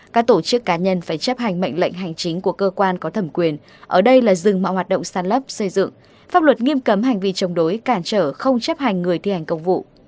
các tổ chức cá nhân phải chấp hành mệnh lệnh hành chính của cơ quan có thẩm quyền ở đây là dừng mọi hoạt động sàn lấp xây dựng pháp luật nghiêm cấm hành vi chống đối cản trở không chấp hành người thi hành công vụ